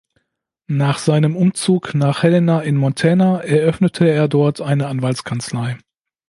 Nach seinem Umzug nach Helena in Montana eröffnete er dort eine Anwaltskanzlei.